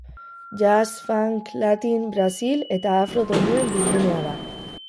Jazz, funk, latin, brazil eta afro doinuen bilgunea da.